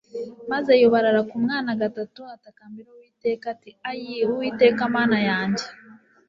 Maze yubarara ku mwana gatatu atakambira Uwiteka ati Ayii Uwiteka Mana yanjye